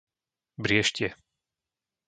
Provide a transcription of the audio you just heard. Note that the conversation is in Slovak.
Brieštie